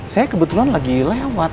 saya kebetulan lagi lewat